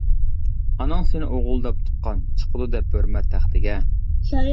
ئاناڭ سېنى ئوغۇل دەپ تۇغقان، چىقىدۇ دەپ ھۆرمەت تەختىگە.